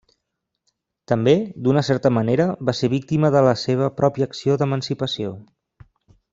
També, d'una certa manera, va ser víctima de la seva pròpia acció d'emancipació.